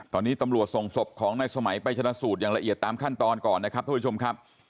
ตอนนี้ตำรวจส่งศพของนายสมัยไปชนะสูตรอย่างละเอียดตามขั้นตอนก่อนนะครับท่านผู้ชมครับ